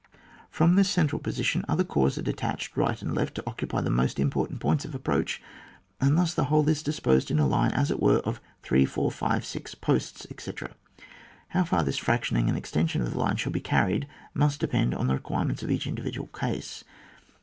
From this cen tral position, other corps are detached right and left to occupy the most impor tant points of approach, and thus the whole is disposed in a line, as it were, of three, four, five, six posts, &c. How far this fraotioning and extension of the line shall be carried, must depend on the re« quirements of each individual case.